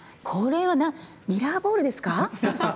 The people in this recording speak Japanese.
これはミラーボールですか。